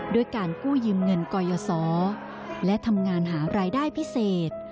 ด้วยการกู้ยืมเงินกยศและทำงานหารายได้พิเศษ